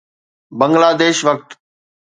بنگلاديش وقت